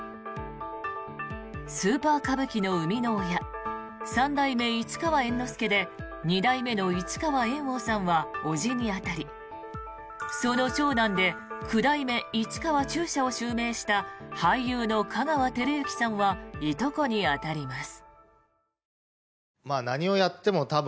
スーパー歌舞伎の生みの親三代目市川猿之助で２代目の市川猿翁さんは伯父に当たりその長男で九代目市川中車を襲名した俳優の香川照之さんはいとこに当たります。